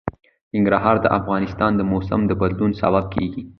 ننګرهار د افغانستان د موسم د بدلون سبب کېږي.